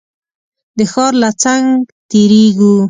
د ښار له څنګ تېرېږو.